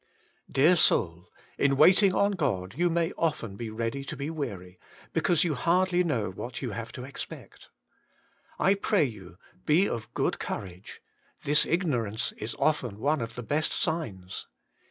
Dear soul, in waiting on God you may often be ready to be weary, because you hardly know what you have to expect. I pray you, be of good courage — this ignorance is often one of the best signs.